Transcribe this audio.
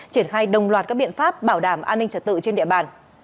triển khai đồng loạt các biện pháp bảo đảm an ninh trật tự trên địa bàn